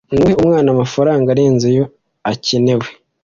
Ntuhe umwana amafaranga arenze ayo akenewe.